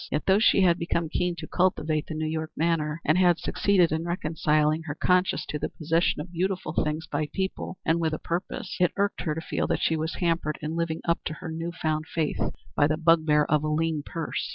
Yet, though she had become keen to cultivate the New York manner, and had succeeded in reconciling her conscience to the possession of beautiful things by people with a purpose, it irked her to feel that she was hampered in living up to her new found faith by the bugbear of a lean purse.